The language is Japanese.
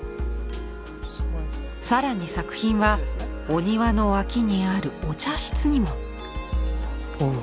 更に作品はお庭の脇にあるお茶室にも。